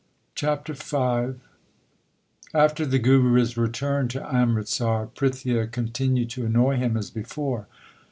CHAPTER V After the Guru s return to Amritsar, Prithia con tinued to annoy him as before.